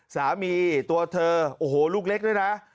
สามีตัวเธอโอ้โหลูกเล็กด้วยนะ